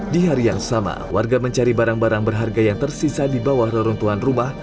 di hari yang sama warga mencari barang barang berharga yang tersisa di bawah reruntuhan rumah